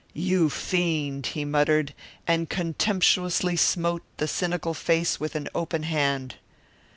"You fiend!" he muttered, and contemptuously smote the cynical face with an open hand.